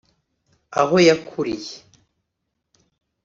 aho yakuriye